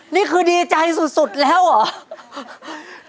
นี่คือดีใจสุดแล้วเหรอ